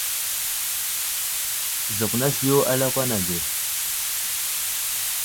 Zakw nesliyo a lakwan age.